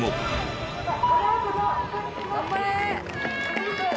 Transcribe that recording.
頑張れ！